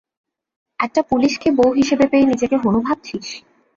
একটা পুলিশকে বউ হিসেবে পেয়ে নিজেকে হনু ভাবছিস?